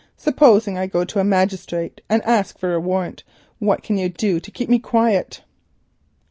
Supposing I go to a magistrate and ask for a warrant? What can you do to keep me quiet?"